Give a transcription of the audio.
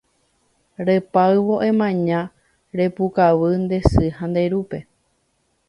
Repáyvo emaña ha repukavy nde sy ha nde rúpe